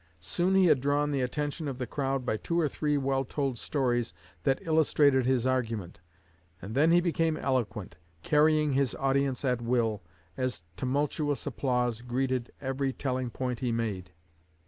Soon he had drawn the attention of the crowd by two or three well told stories that illustrated his argument; and then he became eloquent, carrying his audience at will, as tumultuous applause greeted every telling point he made."